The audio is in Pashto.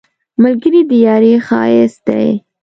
ملګری د یارۍ ښایست دی